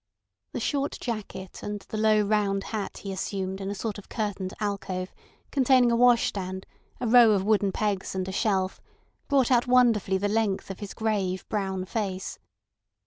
The short jacket and the low, round hat he assumed in a sort of curtained alcove containing a washstand, a row of wooden pegs and a shelf, brought out wonderfully the length of his grave, brown face.